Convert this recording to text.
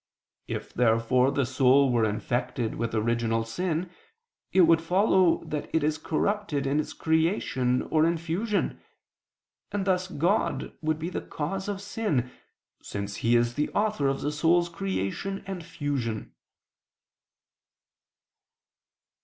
If therefore the soul were infected with original sin, it would follow that it is corrupted in its creation or infusion: and thus God would be the cause of sin, since He is the author of the soul's creation and fusion.